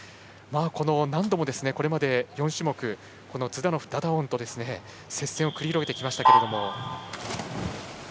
何度もこれまで４種目ズダノフ、ダダオンと接戦を繰り広げてきましたけれども。